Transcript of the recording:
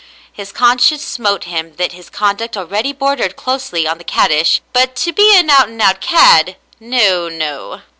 His conscience smote him that his conduct already bordered closely on the caddish, but to be an out and out cad, — no, no.